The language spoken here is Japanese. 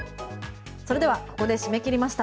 それではここで締め切りました。